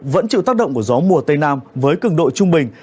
vẫn chịu tác động của gió mùa tây nam với cường độ trung bình